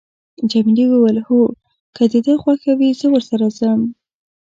جميلې وويل: هو، که د ده خوښه وي، زه ورسره ځم.